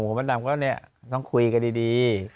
โหแม่นดำก็ต้องคุยกันดี